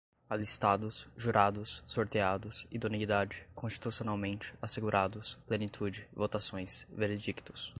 alistados, jurados, sorteados, idoneidade, constitucionalmente, assegurados, plenitude, votações, veredictos